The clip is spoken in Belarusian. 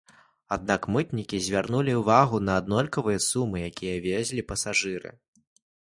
Аднак мытнікі звярнулі ўвагу на аднолькавыя сумы, якія везлі пасажыры.